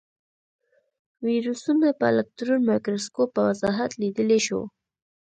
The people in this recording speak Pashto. ویروسونه په الکترون مایکروسکوپ په وضاحت لیدلی شو.